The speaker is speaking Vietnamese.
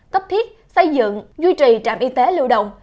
cấp thiết xây dựng duy trì trạm y tế lưu động